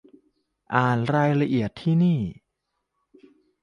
อ่านรายละเอียดที่นี่